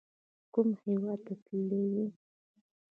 کوم هیواد ته تللي وئ؟